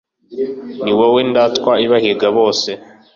ni wowe ndatwa ibahiga bose